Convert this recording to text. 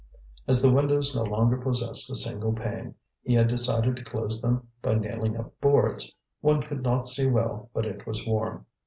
As the windows no longer possessed a single pane, he had decided to close them by nailing up boards; one could not see well, but it was warm.